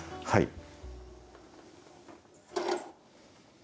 はい。